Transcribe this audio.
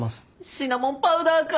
シナモンパウダーか！